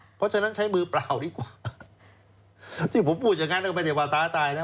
เพราะฉะนั้นใช้มือเปล่าดีกว่าที่ผมพูดอย่างนั้นก็ไม่ได้ว่าท้าตายนะ